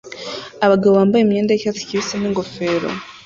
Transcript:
Abagabo bambaye imyenda yicyatsi kibisi ningofero